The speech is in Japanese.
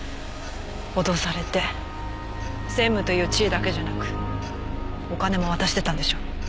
脅されて専務という地位だけじゃなくお金も渡してたんでしょ？